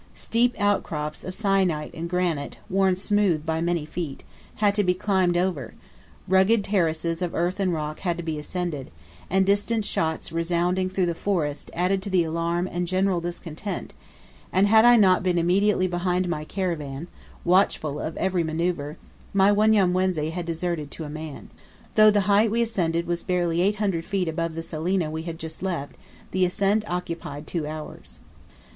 Steep outcrops of syenite and granite, worn smooth by many feet, had to be climbed over, rugged terraces of earth and rock had to be ascended, and distant shots resounding through the forest added to the alarm and general discontent, and had I not been immediately behind my caravan, watchful of every manoeuvre, my Wanyamwezi had deserted to a man. Though the height we ascended was barely 800 feet above the salina we had just left, the ascent occupied two hours.